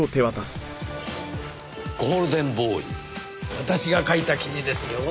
私が書いた記事ですよ。